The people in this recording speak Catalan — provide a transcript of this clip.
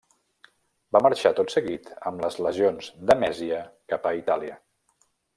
Va marxar tot seguit amb les legions de Mèsia cap a Itàlia.